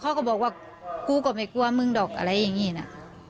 เขาก็บอกว่ากูก็ไม่กลัวมึงหรอกอะไรอย่างนี้นะ